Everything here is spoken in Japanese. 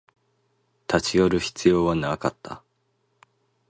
立ち寄る必要はなかった